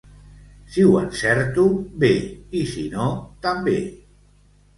Si ho encerto, bé; i si no, també.